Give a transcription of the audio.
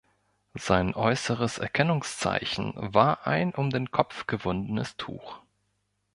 Sein äußeres Erkennungszeichen war ein um den Kopf gewundenes Tuch.